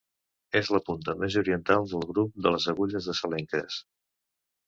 És la punta més oriental del grup de les agulles de Salenques.